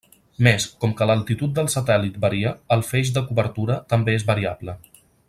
Més, com que l'altitud del satèl·lit varia, el feix de cobertura també és variable.